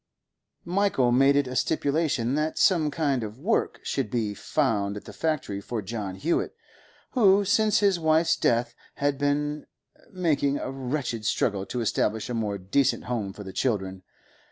Michael made it a stipulation that some kind of work should be found at the factory for John Hewett, who, since his wife's death, had been making a wretched struggle to establish a more decent home for the children.